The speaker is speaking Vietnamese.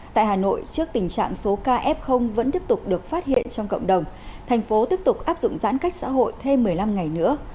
tại hà nội trước tình trạng số ca f vẫn tiếp tục được phát hiện trong cộng đồng thành phố tiếp tục áp dụng giãn cách xã hội thêm một mươi năm ngày nữa